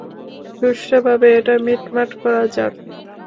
সুষ্ঠুভাবে এটা মিটমাট করা যাক।